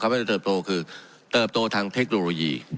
ว่าจะเติบโตคือเติบโตทางเทคโนโลยี